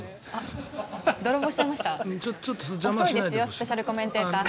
スペシャルコメンテーター。